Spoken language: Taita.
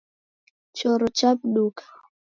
Choro chawuduka